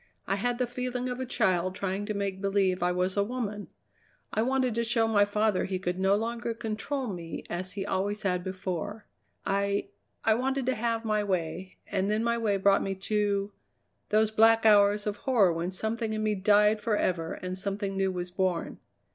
I had the feeling of a child trying to make believe I was a woman. I wanted to show my father he could no longer control me as he always had before. I I wanted to have my way, and then my way brought me to those black hours of horror when something in me died forever and something new was born.